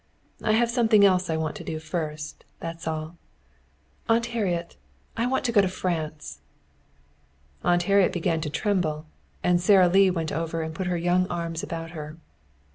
I have something else I want to do first. That's all. Aunt Harriet, I want to go to France." Aunt Harriet began to tremble, and Sara Lee went over and put her young arms about her.